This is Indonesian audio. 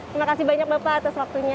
terima kasih banyak bapak atas waktunya